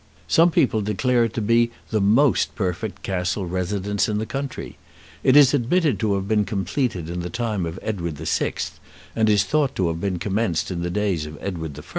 Some people declare it to be the most perfect castle residence in the country. It is admitted to have been completed in the time of Edward VI, and is thought to have been commenced in the days of Edward I.